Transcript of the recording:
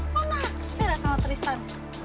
lo naksir ya sama tristan